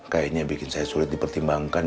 kayaknya bikin saya sulit dipertimbangkan